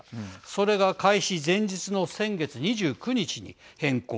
それが開始前日の先月２９日に変更。